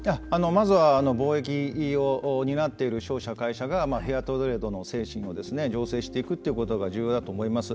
まずは貿易を担っている商社、会社がフェアトレードの精神を醸成していくということが重要だと思います。